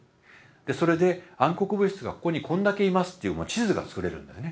それで暗黒物質がここにこんだけいますっていう地図が作れるんだよね。